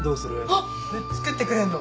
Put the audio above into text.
作ってくれんの？